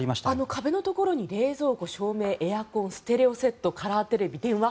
壁のところに冷蔵庫、照明エアコン、ステレオセットカラーテレビ、電話。